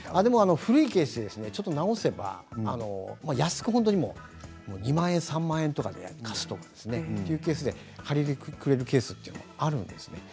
古い場合、ちょっと直せば安く２万円３万円とかで貸すとかそういうケースで借りてくれるケースもあるんですよね。